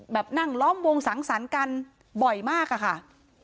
นั่งล้อมวงสังสรรค์กันบ่อยมากอะค่ะ